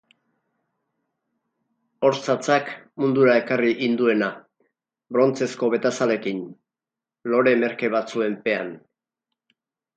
Hor zatzak mundura ekarri hinduena, brontzezko betazalekin, lore merke batzuen pean.